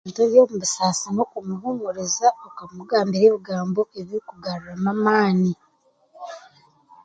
Omuntu ori omu busaasi n'okumuhuumuruza okamugaruramu amaani